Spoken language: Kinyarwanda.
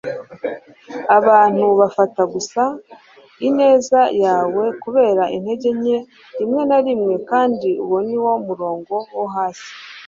abantu bafata gusa ineza yawe kubera intege nke rimwe na rimwe, kandi uwo ni wo murongo wo hasi